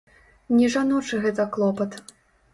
Не жаночы гэта клопат.